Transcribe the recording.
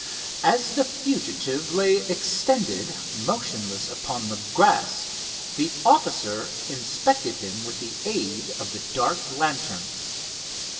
As the fugitive lay extended motionless upon the grass the officer inspected him with the aid of the dark lantern.